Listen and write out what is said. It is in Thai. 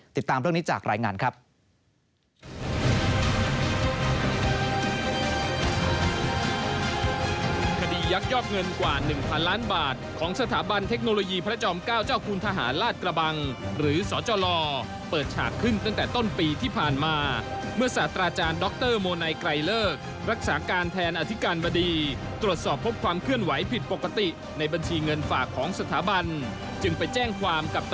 ติดตามเรื่องนี้จากรายงานครับ